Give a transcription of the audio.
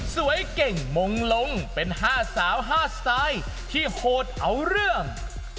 เก่งมงลงเป็น๕สาว๕สไตล์ที่โหดเอาเรื่อง